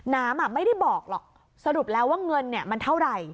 น้ำไม่ได้บอกหรอกสรุปแล้วว่าเงินมันเท่าไหร่